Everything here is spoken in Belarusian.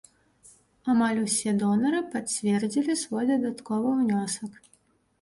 Амаль усе донары пацвердзілі свой дадатковы ўнёсак.